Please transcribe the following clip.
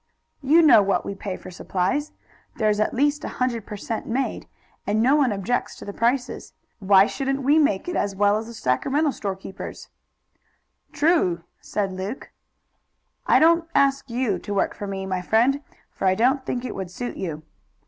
"You know what we pay for supplies. There's at least a hundred per cent. made, and no one objects to the prices. Why shouldn't we make it as well as the Sacramento storekeepers?" "True!" said Luke. "I don't ask you to work for me, my friend, for I don't think it would suit you."